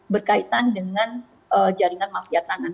berkaitan dengan jaringan mafia tanah